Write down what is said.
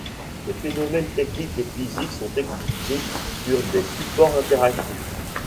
Les phénomènes techniques et physiques sont expliqués sur des supports interactifs.